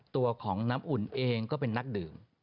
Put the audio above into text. ตัวของน้ำอุ่นเองก็เป็นนักดื่ม